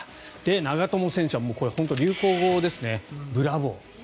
長友選手は本当に流行語ですねブラボー！